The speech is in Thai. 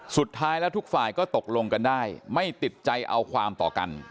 สุดท้ายแล้วทุกฝ่ายก็ตกลงกันได้ไม่ติดใจเอาความต่อกัน